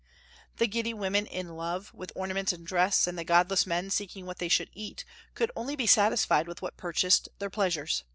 The giddy women in love with ornaments and dress, and the godless men seeking what they should eat, could only be satisfied with what purchased their pleasures.